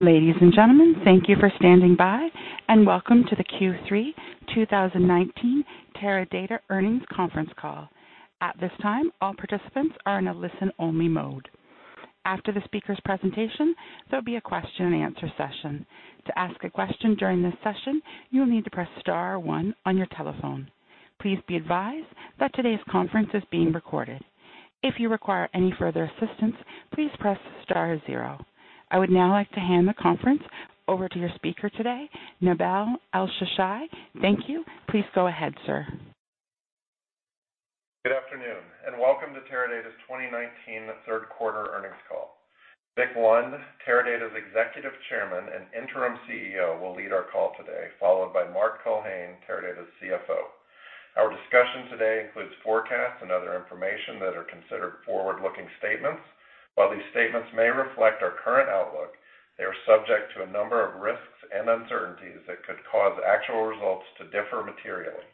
Ladies and gentlemen, thank you for standing by, and welcome to the Q3 2019 Teradata Earnings Conference Call. At this time, all participants are in a listen-only mode. After the speakers' presentation, there'll be a question and answer session. To ask a question during this session, you'll need to press star one on your telephone. Please be advised that today's conference is being recorded. If you require any further assistance, please press star zero. I would now like to hand the conference over to your speaker today, Nawal El Shershai. Thank you. Please go ahead, sir. Good afternoon, and welcome to Teradata's 2019 third quarter earnings call. Vic Lund, Teradata's Executive Chairman and Interim CEO, will lead our call today, followed by Mark Culhane, Teradata's CFO. Our discussion today includes forecasts and other information that are considered forward-looking statements. While these statements may reflect our current outlook, they are subject to a number of risks and uncertainties that could cause actual results to differ materially.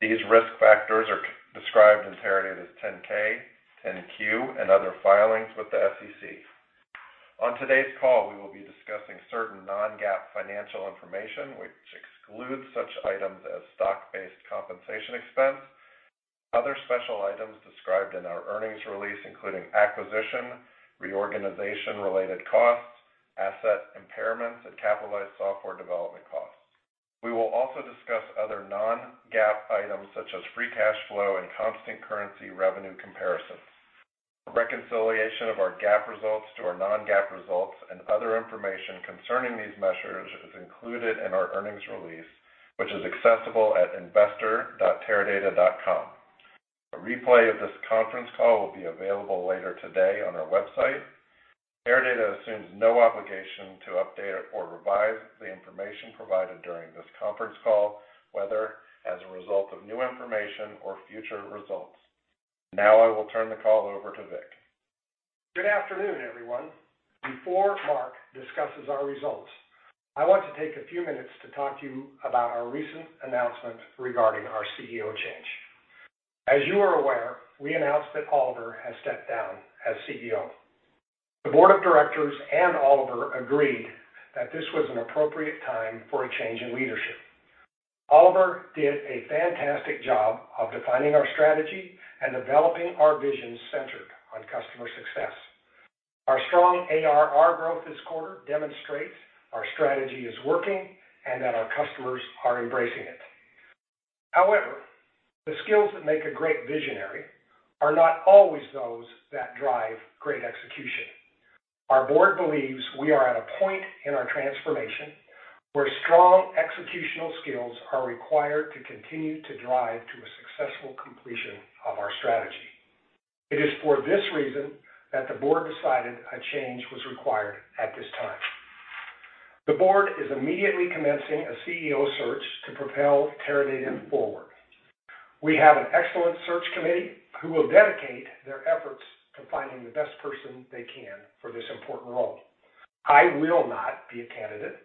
These risk factors are described in Teradata's 10-K, 10-Q, and other filings with the SEC. On today's call, we will be discussing certain non-GAAP financial information, which excludes such items as stock-based compensation expense, other special items described in our earnings release, including acquisition, reorganization-related costs, asset impairments, and capitalized software development costs. We will also discuss other non-GAAP items such as free cash flow and constant currency revenue comparisons. A reconciliation of our GAAP results to our non-GAAP results and other information concerning these measures is included in our earnings release, which is accessible at investor.teradata.com. A replay of this conference call will be available later today on our website. Teradata assumes no obligation to update or revise the information provided during this conference call, whether as a result of new information or future results. Now I will turn the call over to Vic. Good afternoon, everyone. Before Mark discusses our results, I want to take a few minutes to talk to you about our recent announcement regarding our CEO change. As you are aware, we announced that Oliver has stepped down as CEO. The board of directors and Oliver agreed that this was an appropriate time for a change in leadership. Oliver did a fantastic job of defining our strategy and developing our vision centered on customer success. Our strong ARR growth this quarter demonstrates our strategy is working, and that our customers are embracing it. However, the skills that make a great visionary are not always those that drive great execution. Our board believes we are at a point in our transformation where strong executional skills are required to continue to drive to a successful completion of our strategy. It is for this reason that the board decided a change was required at this time. The board is immediately commencing a CEO search to propel Teradata forward. We have an excellent search committee who will dedicate their efforts to finding the best person they can for this important role. I will not be a candidate,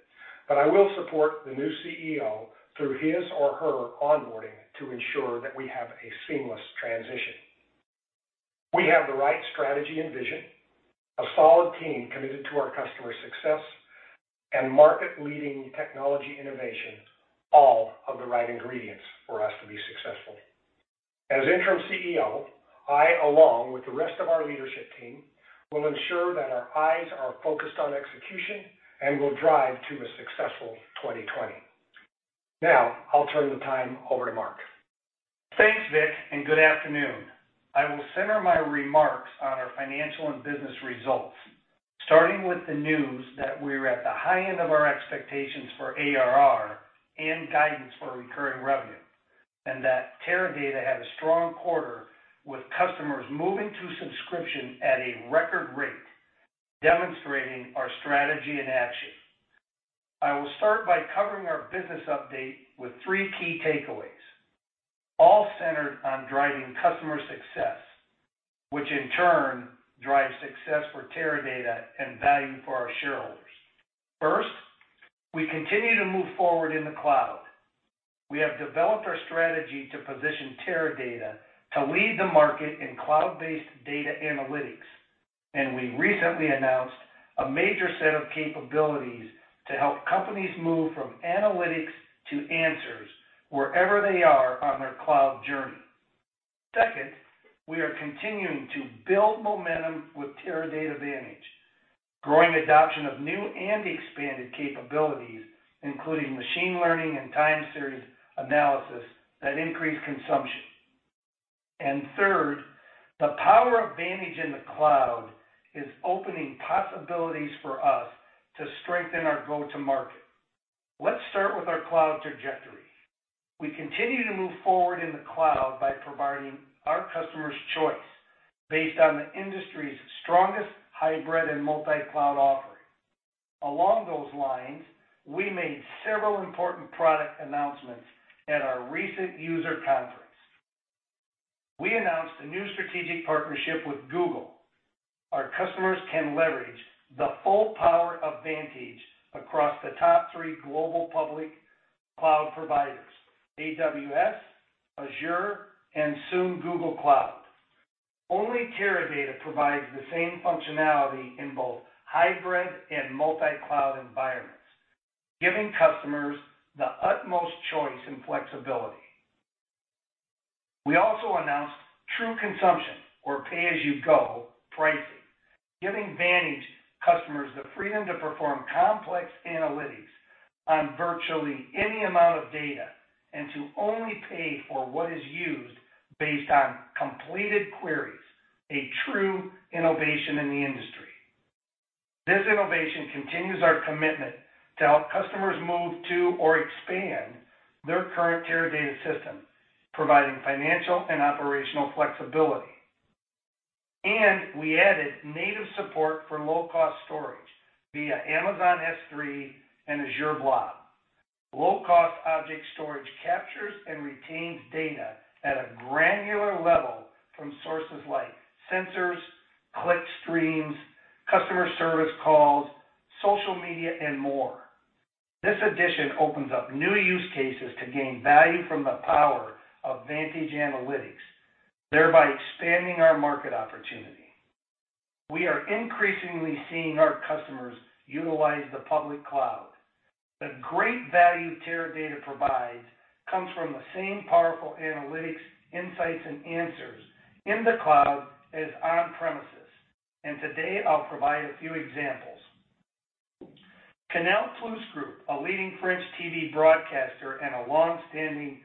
but I will support the new CEO through his or her onboarding to ensure that we have a seamless transition. We have the right strategy and vision, a solid team committed to our customers' success, and market-leading technology innovation, all of the right ingredients for us to be successful. As Interim CEO, I along with the rest of our leadership team, will ensure that our eyes are focused on execution and will drive to a successful 2020. Now, I'll turn the time over to Mark. Thanks, Vic, and good afternoon. I will center my remarks on our financial and business results, starting with the news that we're at the high end of our expectations for ARR and guidance for recurring revenue, and that Teradata had a strong quarter with customers moving to subscription at a record rate, demonstrating our strategy in action. I will start by covering our business update with three key takeaways, all centered on driving customer success, which in turn drives success for Teradata and value for our shareholders. First, we continue to move forward in the cloud. We have developed our strategy to position Teradata to lead the market in cloud-based data analytics, and we recently announced a major set of capabilities to help companies move from analytics to answers wherever they are on their cloud journey. Second, we are continuing to build momentum with Teradata Vantage, growing adoption of new and expanded capabilities, including machine learning and time series analysis that increase consumption. Third, the power of Vantage in the cloud is opening possibilities for us to strengthen our go-to-market. Let's start with our cloud trajectory. We continue to move forward in the cloud by providing our customers choice based on the industry's strongest hybrid and multi-cloud offering. Along those lines, we made several important product announcements at our recent user conference. We announced a new strategic partnership with Google. Our customers can leverage the full power of Vantage across the top three global public cloud providers, AWS, Azure, and soon Google Cloud. Only Teradata provides the same functionality in both hybrid and multi-cloud environments, giving customers the utmost choice and flexibility. We also announced true consumption, or pay-as-you-go pricing, giving Vantage customers the freedom to perform complex analytics on virtually any amount of data, and to only pay for what is used based on completed queries, a true innovation in the industry. This innovation continues our commitment to help customers move to or expand their current Teradata system, providing financial and operational flexibility. We added native support for low-cost storage via Amazon S3 and Azure Blob. Low-cost object storage captures and retains data at a granular level from sources like sensors, click streams, customer service calls, social media, and more. This addition opens up new use cases to gain value from the power of Vantage Analytics, thereby expanding our market opportunity. We are increasingly seeing our customers utilize the public cloud. The great value Teradata provides comes from the same powerful analytics, insights, and answers in the cloud as on-premises. Today I'll provide a few examples. Canal+ Group, a leading French TV broadcaster and a longstanding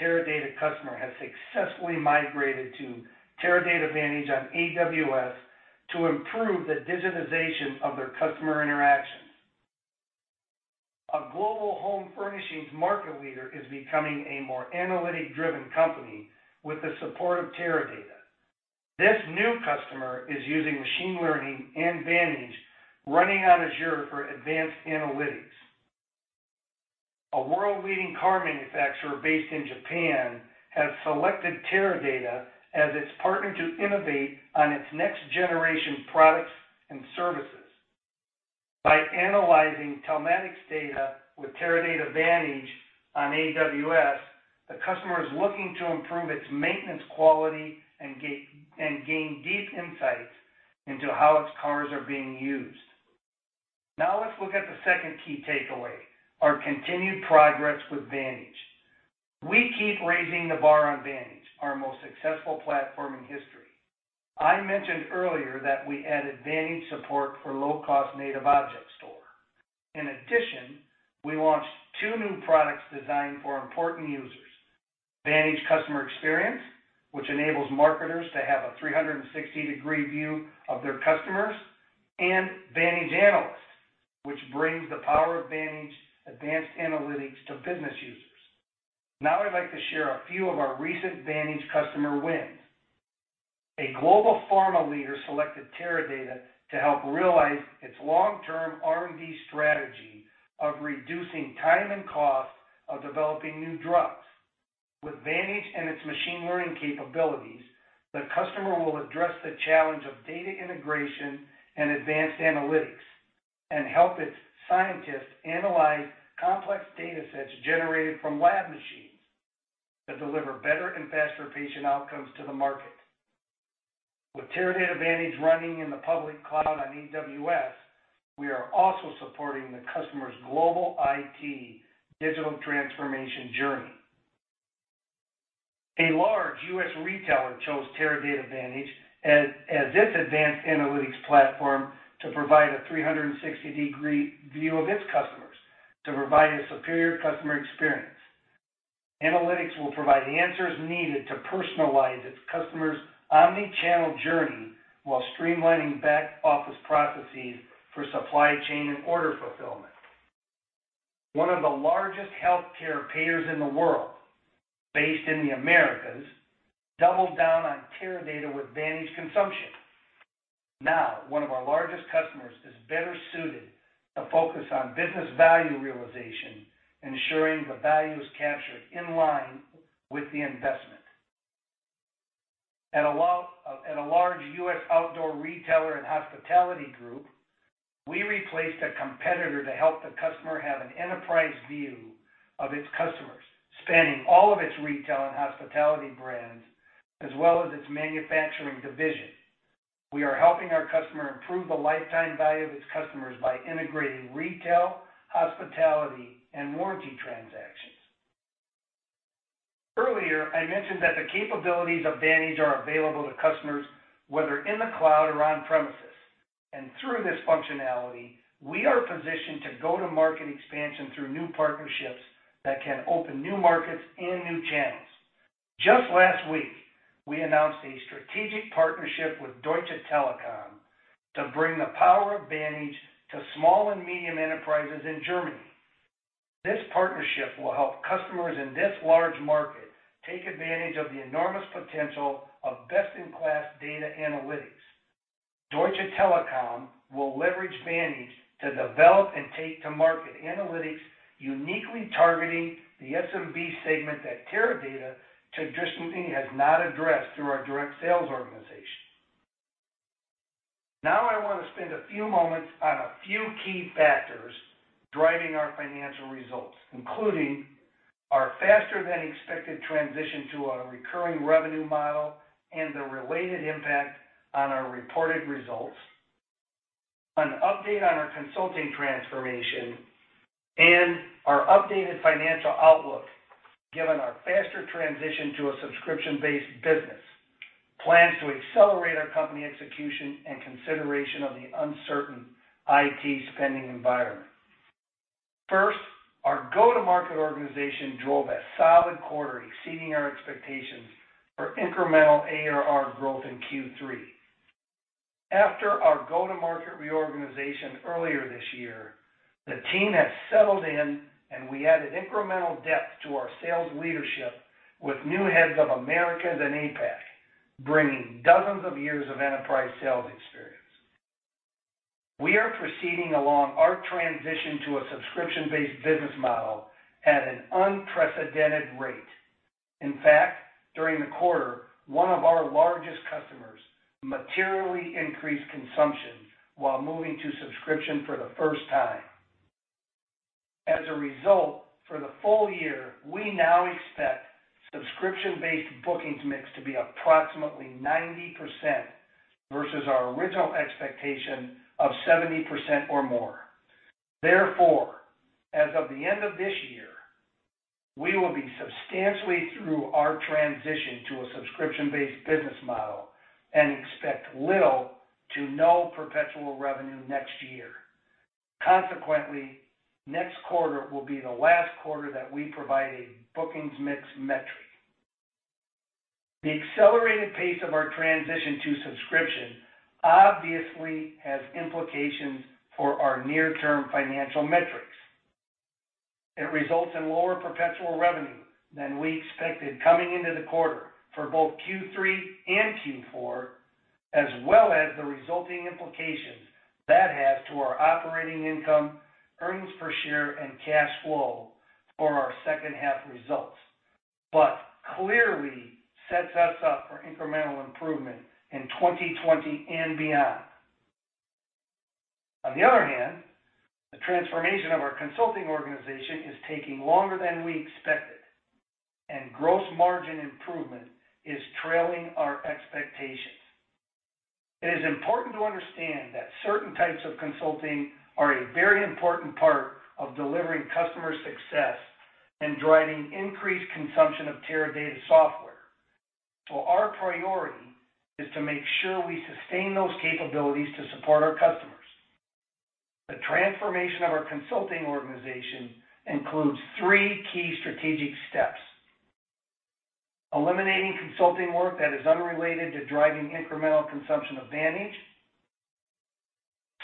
Teradata customer, has successfully migrated to Teradata Vantage on AWS to improve the digitization of their customer interactions. A global home furnishings market leader is becoming a more analytic-driven company with the support of Teradata. This new customer is using machine learning and Vantage running on Azure for advanced analytics. A world-leading car manufacturer based in Japan has selected Teradata as its partner to innovate on its next-generation products and services. By analyzing telematics data with Teradata Vantage on AWS, the customer is looking to improve its maintenance quality and gain deep insights into how its cars are being used. Let's look at the second key takeaway, our continued progress with Vantage. We keep raising the bar on Vantage, our most successful platform in history. I mentioned earlier that we added Vantage support for low-cost native object store. In addition, we launched two new products designed for important users, Vantage Customer Experience, which enables marketers to have a 360-degree view of their customers, and Vantage Analyst, which brings the power of Vantage's advanced analytics to business users. Now I'd like to share a few of our recent Vantage customer wins. A global pharma leader selected Teradata to help realize its long-term R&D strategy of reducing time and cost of developing new drugs. With Vantage and its machine learning capabilities, the customer will address the challenge of data integration and advanced analytics, and help its scientists analyze complex data sets generated from lab machines to deliver better and faster patient outcomes to the market. With Teradata Vantage running in the public cloud on AWS, we are also supporting the customer's global IT digital transformation journey. A large U.S. retailer chose Teradata Vantage as its advanced analytics platform to provide a 360-degree view of its customers to provide a superior customer experience. Analytics will provide the answers needed to personalize its customers' omni-channel journey while streamlining back-office processes for supply chain and order fulfillment. One of the largest healthcare payers in the world, based in the Americas, doubled down on Teradata with Vantage consumption. Now, one of our largest customers is better suited to focus on business value realization, ensuring the value is captured in line with the investment. At a large U.S. outdoor retailer and hospitality group, we replaced a competitor to help the customer have an enterprise view of its customers, spanning all of its retail and hospitality brands, as well as its manufacturing division. We are helping our customer improve the lifetime value of its customers by integrating retail, hospitality, and warranty transactions. Earlier, I mentioned that the capabilities of Vantage are available to customers whether in the cloud or on premises. Through this functionality, we are positioned to go-to-market expansion through new partnerships that can open new markets and new channels. Just last week, we announced a strategic partnership with Deutsche Telekom to bring the power of Vantage to small and medium enterprises in Germany. This partnership will help customers in this large market take advantage of the enormous potential of best-in-class data analytics. Deutsche Telekom will leverage Vantage to develop and take to market analytics uniquely targeting the SMB segment that Teradata traditionally has not addressed through our direct sales organization. I want to spend a few moments on a few key factors driving our financial results, including our faster than expected transition to a recurring revenue model and the related impact on our reported results, an update on our consulting transformation, and our updated financial outlook, given our faster transition to a subscription-based business, plans to accelerate our company execution, and consideration of the uncertain IT spending environment. First, our go-to-market organization drove a solid quarter, exceeding our expectations for incremental ARR growth in Q3. After our go-to-market reorganization earlier this year, the team has settled in, and we added incremental depth to our sales leadership with new heads of Americas and APAC, bringing dozens of years of enterprise sales experience. We are proceeding along our transition to a subscription-based business model at an unprecedented rate. In fact, during the quarter, one of our largest customers materially increased consumption while moving to subscription for the first time. As a result, for the full year, we now expect subscription-based bookings mix to be approximately 90%, versus our original expectation of 70% or more. Therefore, as of the end of this year, we will be substantially through our transition to a subscription-based business model and expect little to no perpetual revenue next year. Consequently, next quarter will be the last quarter that we provide a bookings mix metric. The accelerated pace of our transition to subscription obviously has implications for our near-term financial metrics. It results in lower perpetual revenue than we expected coming into the quarter for both Q3 and Q4, as well as the resulting implications that has to our operating income, earnings per share, and cash flow for our second half results, clearly sets us up for incremental improvement in 2020 and beyond. On the other hand, the transformation of our consulting organization is taking longer than we expected, and gross margin improvement is trailing our expectations. It is important to understand that certain types of consulting are a very important part of delivering customer success and driving increased consumption of Teradata software. Our priority is to make sure we sustain those capabilities to support our customers. The transformation of our consulting organization includes three key strategic steps: Eliminating consulting work that is unrelated to driving incremental consumption of Vantage,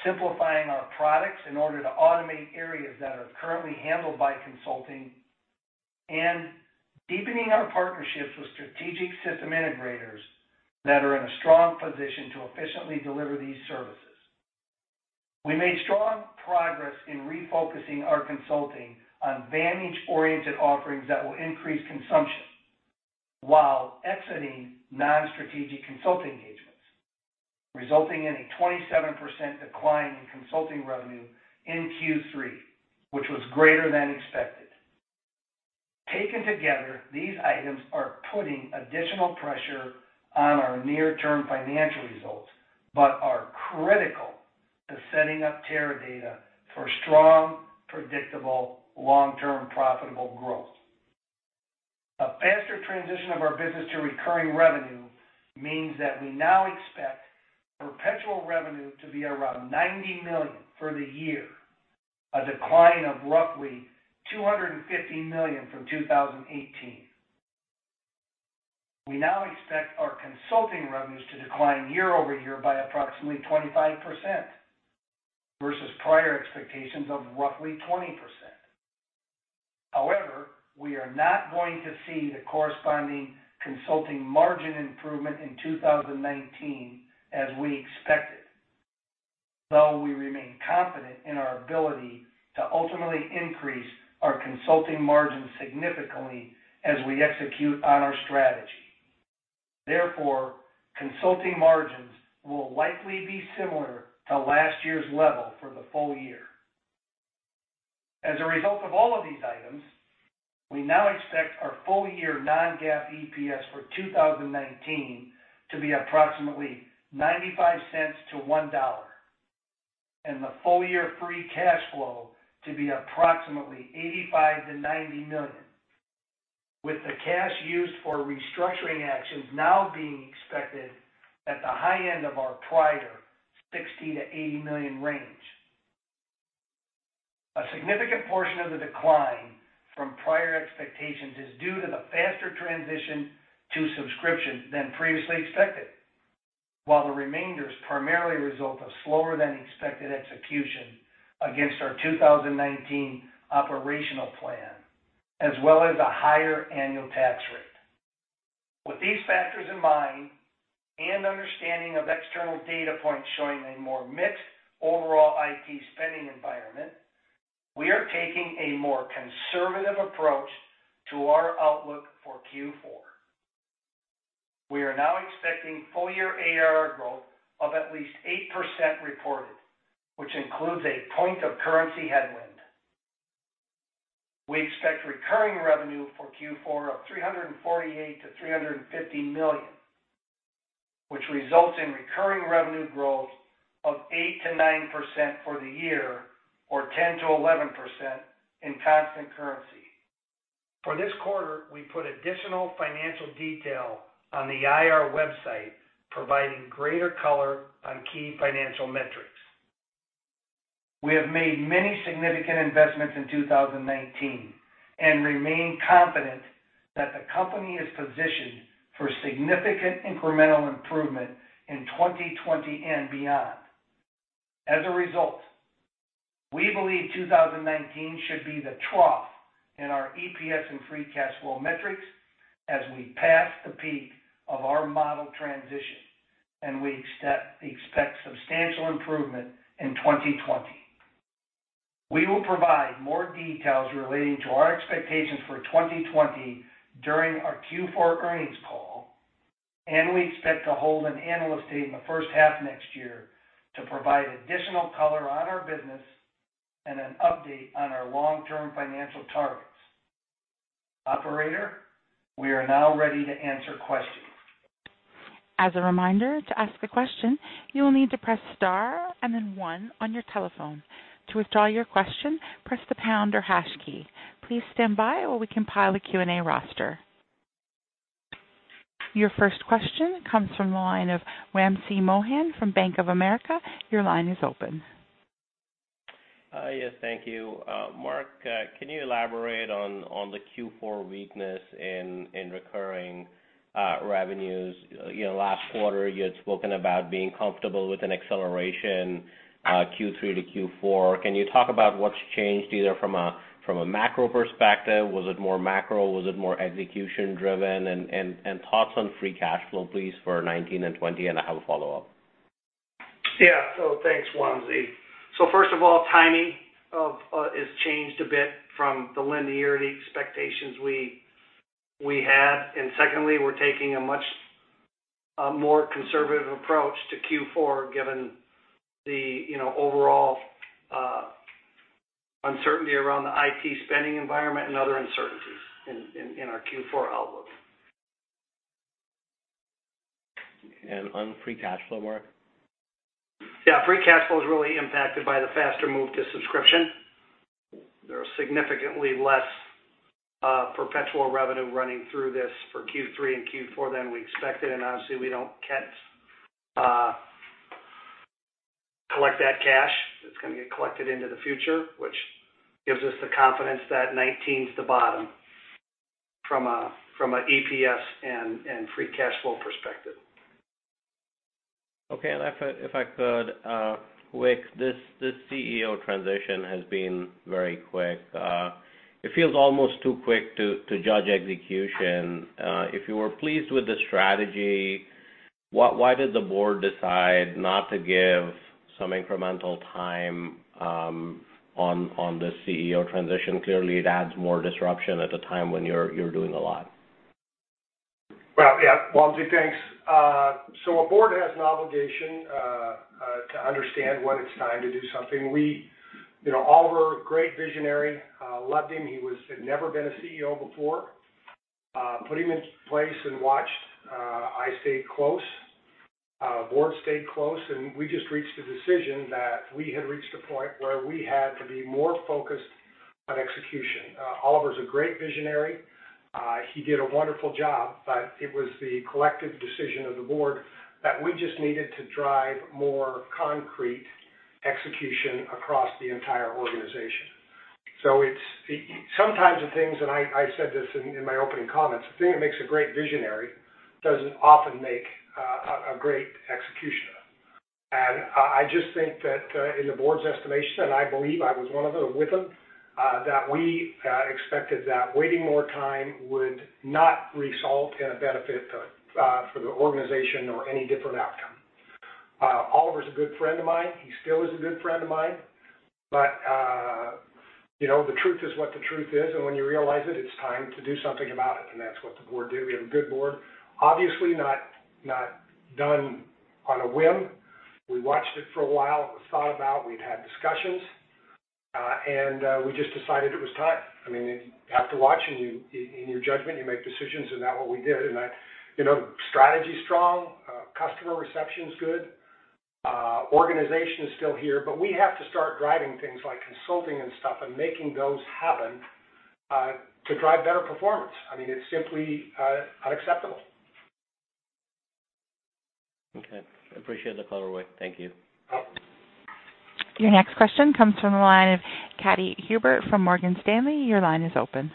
simplifying our products in order to automate areas that are currently handled by consulting, and deepening our partnerships with strategic system integrators that are in a strong position to efficiently deliver these services. We made strong progress in refocusing our consulting on Vantage-oriented offerings that will increase consumption while exiting non-strategic consulting engagements, resulting in a 27% decline in consulting revenue in Q3, which was greater than expected. Taken together, these items are putting additional pressure on our near-term financial results, but are critical to setting up Teradata for strong, predictable, long-term profitable growth. A faster transition of our business to recurring revenue means that we now expect perpetual revenue to be around $90 million for the year, a decline of roughly $250 million from 2018. We now expect our consulting revenues to decline year-over-year by approximately 25%, versus prior expectations of roughly 20%. We are not going to see the corresponding consulting margin improvement in 2019 as we expected. We remain confident in our ability to ultimately increase our consulting margins significantly as we execute on our strategy. Consulting margins will likely be similar to last year's level for the full year. As a result of all of these items, we now expect our full year non-GAAP EPS for 2019 to be approximately $0.95-$1.00, and the full year free cash flow to be approximately $85 million-$90 million, with the cash used for restructuring actions now being expected at the high end of our prior $60 million-$80 million range. A significant portion of the decline from prior expectations is due to the faster transition to subscription than previously expected, while the remainder is primarily a result of slower than expected execution against our 2019 operational plan, as well as a higher annual tax rate. With these factors in mind, understanding of external data points showing a more mixed overall IT spending environment. We are taking a more conservative approach to our outlook for Q4. We are now expecting full-year ARR growth of at least 8% reported, which includes a point of currency headwind. We expect recurring revenue for Q4 of $348 million-$350 million, which results in recurring revenue growth of 8%-9% for the year, or 10%-11% in constant currency. For this quarter, we put additional financial detail on the IR website, providing greater color on key financial metrics. We have made many significant investments in 2019 and remain confident that the company is positioned for significant incremental improvement in 2020 and beyond. As a result, we believe 2019 should be the trough in our EPS and free cash flow metrics as we pass the peak of our model transition, and we expect substantial improvement in 2020. We will provide more details relating to our expectations for 2020 during our Q4 earnings call, and we expect to hold an analyst day in the first half next year to provide additional color on our business and an update on our long-term financial targets. Operator, we are now ready to answer questions. As a reminder, to ask a question, you will need to press star and then one on your telephone. To withdraw your question, press the pound or hash key. Please stand by while we compile a Q&A roster. Your first question comes from the line of Wamsi Mohan from Bank of America. Your line is open. Hi. Yes, thank you. Mark, can you elaborate on the Q4 weakness in recurring revenues? Last quarter, you had spoken about being comfortable with an acceleration Q3 to Q4. Can you talk about what's changed, either from a macro perspective, was it more macro? Was it more execution driven? Thoughts on free cash flow, please, for 2019 and 2020, and I have a follow-up. Thanks, Wamsi. First of all, timing has changed a bit from the linearity expectations we had. Secondly, we're taking a much more conservative approach to Q4 given the overall uncertainty around the IT spending environment and other uncertainties in our Q4 outlook. On free cash flow, Mark? Yeah, free cash flow is really impacted by the faster move to subscription. There are significantly less perpetual revenue running through this for Q3 and Q4 than we expected. Obviously, we don't collect that cash. It's going to get collected into the future, which gives us the confidence that 2019 is the bottom from an EPS and free cash flow perspective. Okay. If I could, Vic, this CEO transition has been very quick. It feels almost too quick to judge execution. If you were pleased with the strategy, why did the board decide not to give some incremental time on this CEO transition? Clearly, it adds more disruption at a time when you're doing a lot. Well, yeah. Wamsi, thanks. A board has an obligation to understand when it's time to do something. Oliver, great visionary, loved him. He had never been a CEO before. Put him into place and watched. I stayed close. Board stayed close, and we just reached a decision that we had reached a point where we had to be more focused on execution. Oliver's a great visionary. He did a wonderful job, but it was the collective decision of the board that we just needed to drive more concrete execution across the entire organization. Sometimes the things, and I said this in my opening comments, the thing that makes a great visionary doesn't often make a great executioner. I just think that in the board's estimation, and I believe I was one of them, with them, that we expected that waiting more time would not result in a benefit for the organization or any different outcome. Oliver's a good friend of mine. He still is a good friend of mine. The truth is what the truth is, and when you realize it's time to do something about it, and that's what the board did. We have a good board. Obviously not done on a whim. We watched it for a while. It was thought about. We'd had discussions. We just decided it was time. After watching, in your judgment, you make decisions, and that what we did. Strategy's strong, customer reception's good. Organization is still here, but we have to start driving things like consulting and stuff and making those happen to drive better performance. It's simply unacceptable. Okay. I appreciate the color, Vic. Thank you. Your next question comes from the line of Katy Huberty from Morgan Stanley. Your line is open.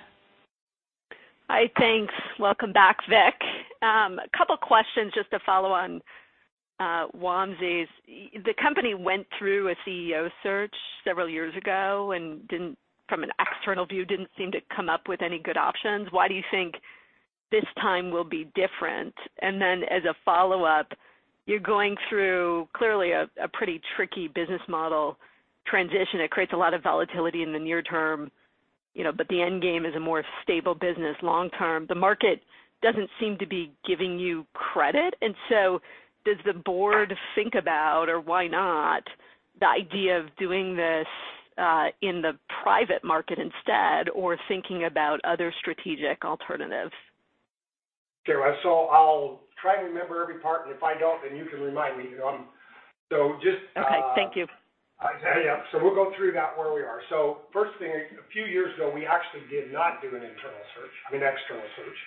Hi. Thanks. Welcome back, Vic. A couple questions just to follow on Wamsi's. The company went through a CEO search several years ago and from an external view, didn't seem to come up with any good options. Why do you think this time will be different? As a follow-up, you're going through clearly a pretty tricky business model transition. It creates a lot of volatility in the near term, but the end game is a more stable business long term. The market doesn't seem to be giving you credit. Does the board think about, or why not, the idea of doing this in the private market instead, or thinking about other strategic alternatives? Okay. I'll try to remember every part, and if I don't, then you can remind me. Okay, thank you. Yeah. We'll go through that where we are. First thing, a few years ago, we actually did not do an internal search, I mean, external search.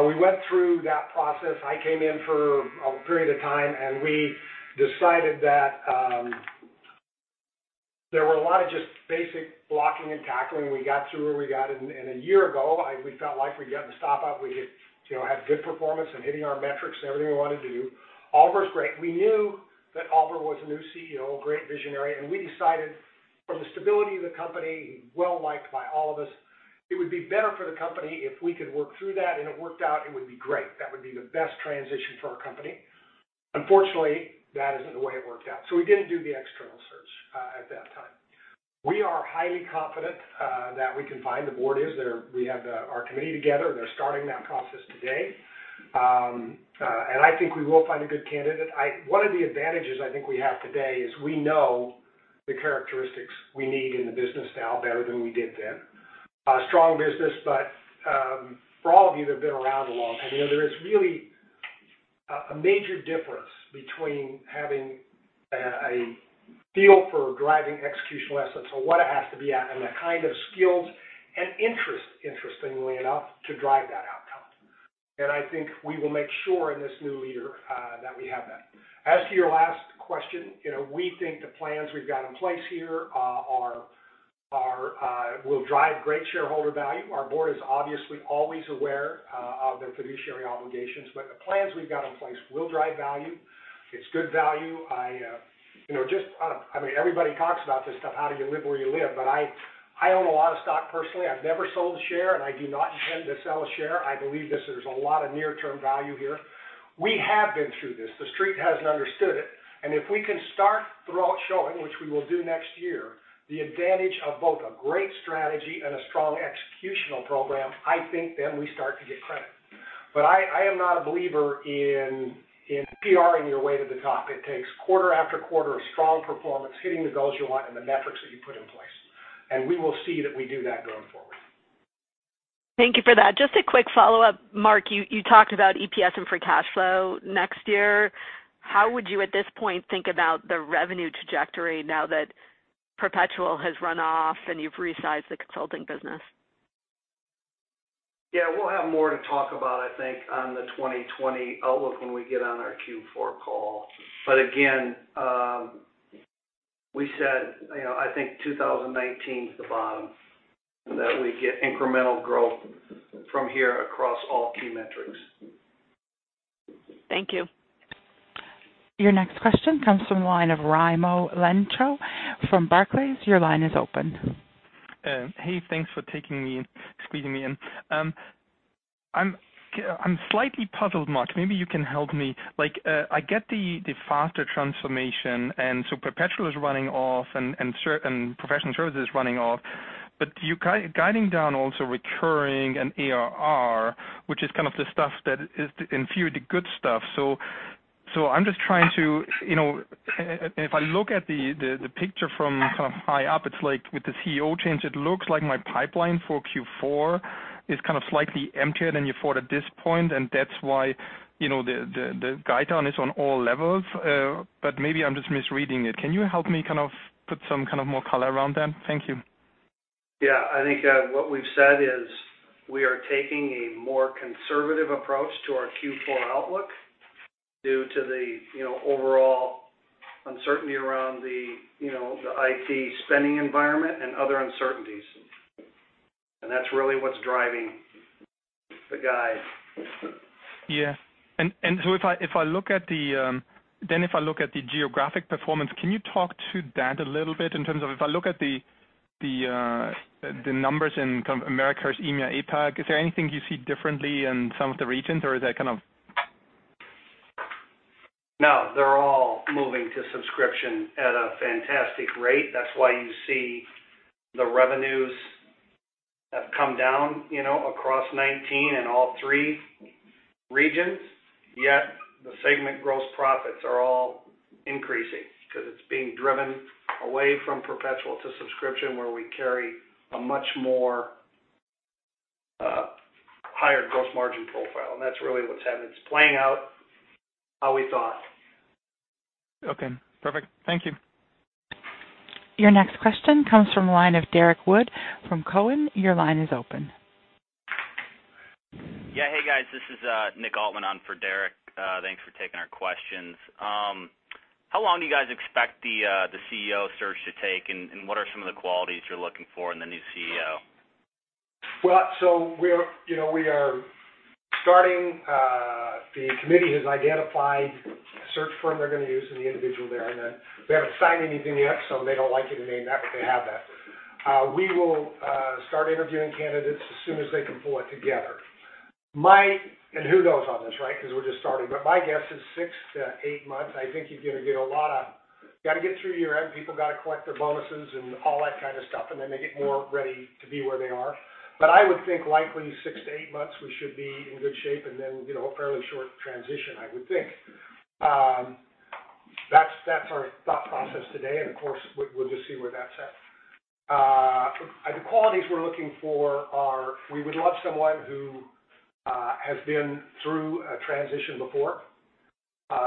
We went through that process. I came in for a period of time, and we decided that there were a lot of just basic blocking and tackling we got to where we got. A year ago, we felt like we'd gotten the step-up. We had good performance and hitting our metrics and everything we wanted to do. Oliver’s great. We knew that Oliver was a new CEO, great visionary, and we decided for the stability of the company, well-liked by all of us, it would be better for the company if we could work through that, and it worked out, it would be great. That would be the best transition for our company. Unfortunately, that isn’t the way it worked out. We didn't do the external search at that time. We are highly confident that we can find, the board is. We have our committee together, and they're starting that process today. I think we will find a good candidate. One of the advantages I think we have today is we know the characteristics we need in the business now better than we did then. A strong business, but for all of you that have been around a long time, there is really a major difference between having a feel for driving executional essence or what it has to be at and the kind of skills and interest, interestingly enough, to drive that outcome. I think we will make sure in this new leader that we have that. As to your last question, we think the plans we've got in place here will drive great shareholder value. Our board is obviously always aware of their fiduciary obligations, but the plans we've got in place will drive value. It's good value. Everybody talks about this stuff, how do you live where you live? I own a lot of stock personally. I've never sold a share, and I do not intend to sell a share. I believe there's a lot of near-term value here. We have been through this. The Street hasn't understood it. If we can start throughout showing, which we will do next year, the advantage of both a great strategy and a strong executional program, I think then we start to get credit. I am not a believer in PR-ing your way to the top. It takes quarter after quarter of strong performance, hitting the goals you want and the metrics that you put in place. We will see that we do that going forward. Thank you for that. Just a quick follow-up, Mark, you talked about EPS and free cash flow next year. How would you, at this point, think about the revenue trajectory now that perpetual has run off and you've resized the consulting business? Yeah, we'll have more to talk about, I think, on the 2020 outlook when we get on our Q4 call. Again, we said, I think 2019 is the bottom, and that we get incremental growth from here across all key metrics. Thank you. Your next question comes from the line of Raimo Lenschow from Barclays. Your line is open. Hey, thanks for taking me, squeezing me in. I'm slightly puzzled, Mark. Maybe you can help me. I get the faster transformation. Perpetual is running off and professional services is running off. You're guiding down also recurring and ARR, which is kind of the stuff that is in theory the good stuff. I'm just trying to. If I look at the picture from high up, it's like with the CEO change, it looks like my pipeline for Q4 is kind of slightly emptier than you thought at this point, and that's why the guide down is on all levels. Maybe I'm just misreading it. Can you help me put some kind of more color around that? Thank you. Yeah, I think what we've said is we are taking a more conservative approach to our Q4 outlook due to the overall uncertainty around the IT spending environment and other uncertainties. That's really what's driving the guide. Yeah. If I look at the geographic performance, can you talk to that a little bit in terms of if I look at the numbers in Americas, EMEA, APAC, is there anything you see differently in some of the regions, or is that kind of? They're all moving to subscription at a fantastic rate. That's why you see the revenues have come down across 2019 in all three regions, yet the segment gross profits are all increasing because it's being driven away from perpetual to subscription, where we carry a much more higher gross margin profile. That's really what's happened. It's playing out how we thought. Okay, perfect. Thank you. Your next question comes from the line of Derrick Wood from Cowen. Your line is open. Hey, guys, this is Nick Altmann on for Derrick. Thanks for taking our questions. How long do you guys expect the CEO search to take, and what are some of the qualities you're looking for in the new CEO? Well, the committee has identified a search firm they're going to use and the individual there, and they haven't signed anything yet, so they don't like you to name that, but they have that. We will start interviewing candidates as soon as they can pull it together. Who knows on this, right? Because we're just starting. My guess is six to eight months. I think you've got to get through year-end, people got to collect their bonuses and all that kind of stuff, and then they get more ready to be where they are. I would think likely six to eight months, we should be in good shape and then, a fairly short transition, I would think. That's our thought process today and, of course, we'll just see where that's at. The qualities we're looking for are, we would love someone who has been through a transition before,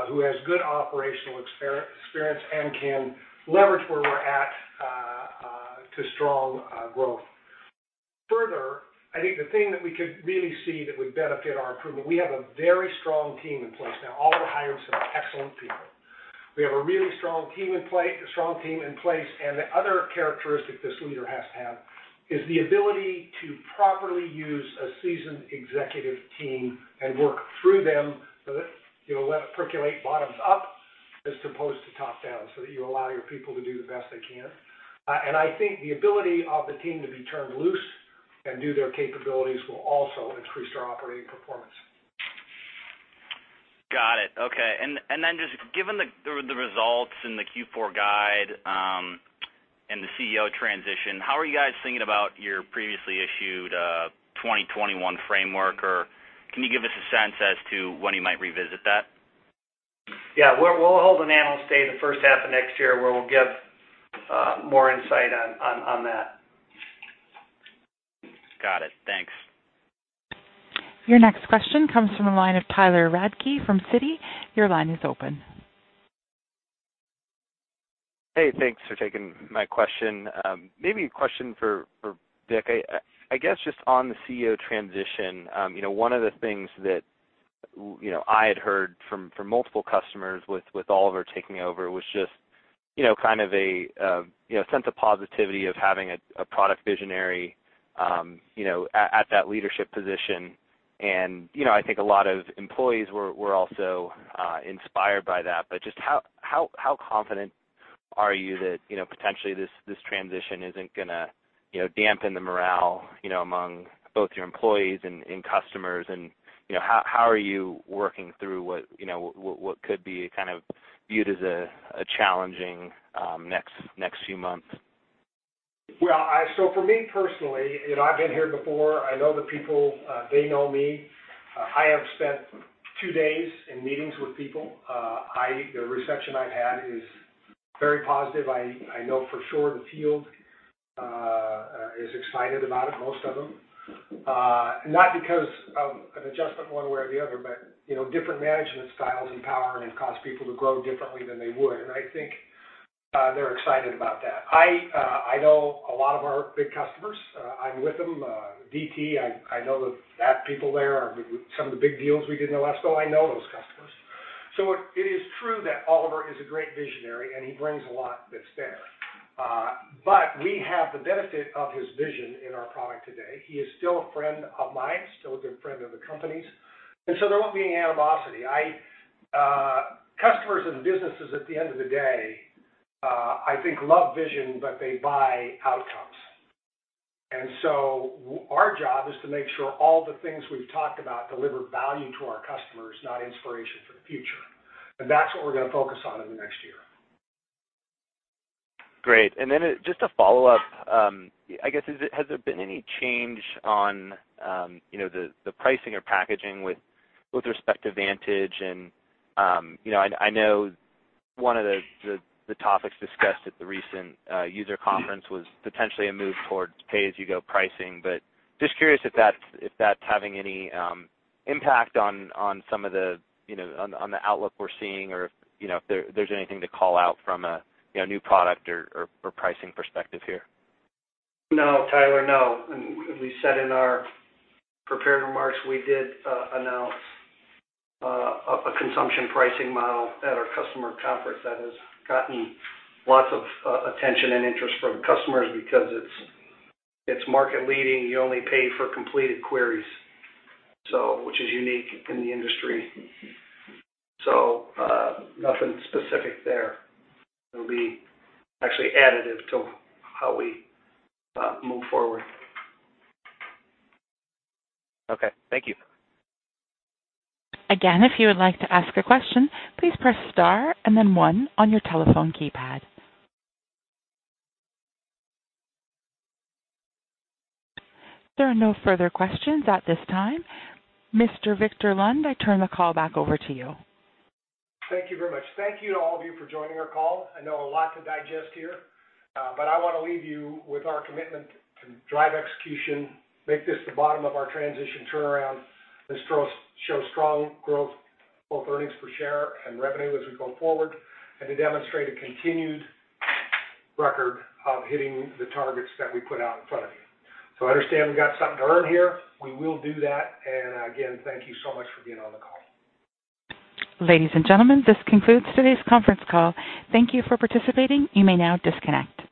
who has good operational experience and can leverage where we're at to strong growth. I think the thing that we could really see that would benefit our improvement, we have a very strong team in place now. Oliver hired some excellent people. We have a really strong team in place, and the other characteristic this leader has to have is the ability to properly use a seasoned executive team and work through them, let it percolate bottoms up as opposed to top down, so that you allow your people to do the best they can. I think the ability of the team to be turned loose and do their capabilities will also increase our operating performance. Got it. Okay. Then just given the results and the Q4 guide, and the CEO transition, how are you guys thinking about your previously issued 2021 framework? Can you give us a sense as to when you might revisit that? Yeah. We'll hold an analyst day the first half of next year where we'll give more insight on that. Got it. Thanks. Your next question comes from the line of Tyler Radke from Citi. Your line is open. Hey, thanks for taking my question. Maybe a question for Vic. I guess, just on the CEO transition. One of the things that I had heard from multiple customers with Oliver taking over was just kind of a sense of positivity of having a product visionary at that leadership position. I think a lot of employees were also inspired by that. Just how confident are you that potentially this transition isn't going to dampen the morale among both your employees and customers? How are you working through what could be kind of viewed as a challenging next few months? For me personally, I've been here before. I know the people. They know me. I have spent two days in meetings with people. The reception I've had is very positive. I know for sure the field is excited about it, most of them. Not because of an adjustment one way or the other, but different management styles empower and cause people to grow differently than they would, and I think they're excited about that. I know a lot of our big customers. I'm with them. [VT], I know the people there, some of the big deals we did in Alaska. I know those customers. It is true that Oliver is a great visionary, and he brings a lot that's there. We have the benefit of his vision in our product today. He is still a friend of mine, still a good friend of the company's, and so there won't be any animosity. Customers and businesses at the end of the day, I think, love vision, but they buy outcomes. Our job is to make sure all the things we've talked about deliver value to our customers, not inspiration for the future. That's what we're going to focus on in the next year. Great. Then just a follow-up, I guess has there been any change on the pricing or packaging with respect to Vantage and I know one of the topics discussed at the recent user conference was potentially a move towards pay-as-you-go pricing, but just curious if that's having any impact on the outlook we're seeing or if there's anything to call out from a new product or pricing perspective here? No, Tyler. No. We said in our prepared remarks, we did announce a consumption pricing model at our customer conference that has gotten lots of attention and interest from customers because it's market leading. You only pay for completed queries, which is unique in the industry. Nothing specific there. It'll be actually additive to how we move forward. Okay. Thank you. Again, if you would like to ask a question, please press star and then one on your telephone keypad. There are no further questions at this time. Mr. Victor Lund, I turn the call back over to you. Thank you very much. Thank you to all of you for joining our call. I know a lot to digest here. I want to leave you with our commitment to drive execution, make this the bottom of our transition turnaround, and show strong growth, both earnings per share and revenue as we go forward, and to demonstrate a continued record of hitting the targets that we put out in front of you. I understand we've got something to earn here. We will do that. Again, thank you so much for being on the call. Ladies and gentlemen, this concludes today's conference call. Thank you for participating. You may now disconnect.